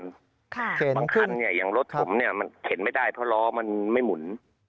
บางคันอย่างรถผมเข็นไม่ได้เพราะร้องมันไม่หมุน